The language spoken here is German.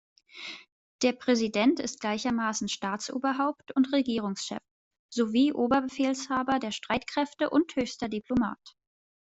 Der Präsident ist gleichermaßen Staatsoberhaupt und Regierungschef sowie Oberbefehlshaber der Streitkräfte und höchster Diplomat.